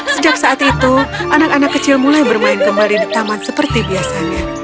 sejak saat itu anak anak kecil mulai bermain kembali di taman seperti biasanya